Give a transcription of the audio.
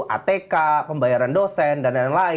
atk pembayaran dosen dll